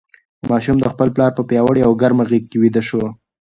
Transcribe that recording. ماشوم د خپل پلار په پیاوړې او ګرمه غېږ کې ویده شو.